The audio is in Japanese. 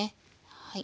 はい。